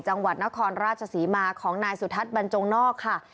จังหวัดนครราชศรีมาของนายสุทัศน์บรรจงนอกค่ะ